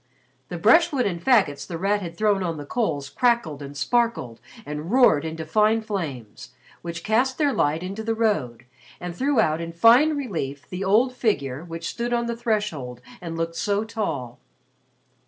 The brushwood and faggots The Rat had thrown on the coals crackled and sparkled and roared into fine flames, which cast their light into the road and threw out in fine relief the old figure which stood on the threshold and looked so tall.